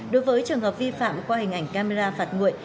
đối với trường hợp vi phạm qua hình ảnh camera phạt nguội